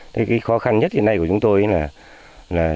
thế cái khó khăn nhất hiện nay của chúng tôi là